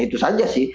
itu saja sih